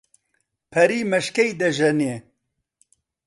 پەری مەشکەی دەژێنێ